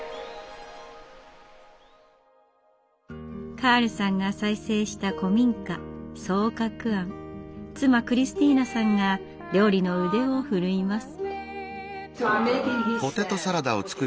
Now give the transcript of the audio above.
カールさんが再生した古民家妻クリスティーナさんが料理の腕を振るいます。